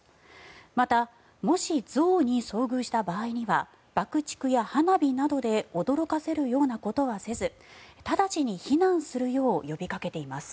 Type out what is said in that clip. また、もし象に遭遇した場合には爆竹や花火などで驚かせるようなことはせず直ちに避難するよう呼びかけています。